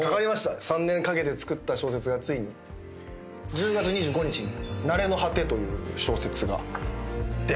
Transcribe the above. ３年かけて作った小説がついに１０月２５日に『なれのはて』という小説が出ます。